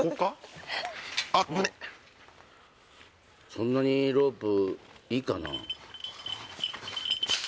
そんなにロープいいかな？